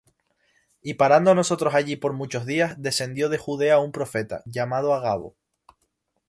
Y parando nosotros allí por muchos días, descendió de Judea un profeta, llamado Agabo;